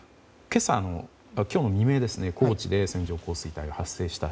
今日の未明に高知で線状降水帯が発生した。